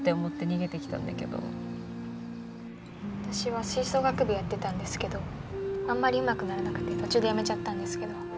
私は吹奏楽部やってたんですけどあんまりうまくならなくて途中でやめちゃったんですけど。